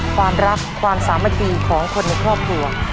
ความรักความสามัคคีของคนในครอบครัว